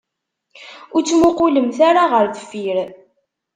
Ur ttmuqqulemt ara ɣer deffir.